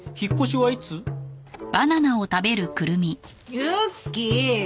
ユッキー！